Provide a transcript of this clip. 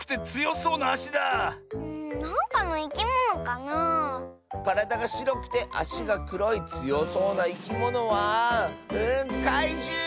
からだがしろくてあしがくろいつよそうないきものはかいじゅう！